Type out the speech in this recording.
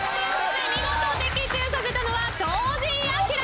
見事的中させたのは超人アキラ！